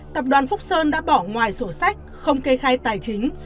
tập đoàn phúc sơn đã bỏ ngoài sổ sách không kê khai tài chính